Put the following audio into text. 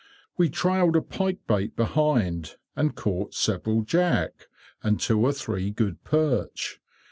We trailed a pike bait behind, and caught several jack, and two or three good perch.